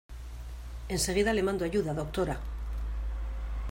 enseguida le mando ayuda, doctora.